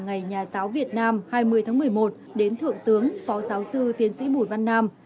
ngày nhà giáo việt nam hai mươi tháng một mươi một đến thượng tướng phó giáo sư tiến sĩ bùi văn nam